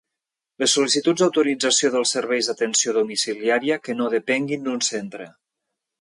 Les sol·licituds d'autorització dels serveis d'atenció domiciliària que no depenguin d'un centre.